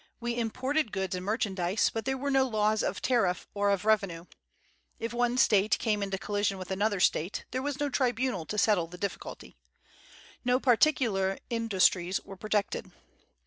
We imported goods and merchandise, but there were no laws of tariff or of revenue. If one State came into collision with another State, there was no tribunal to settle the difficulty. No particular industries were protected.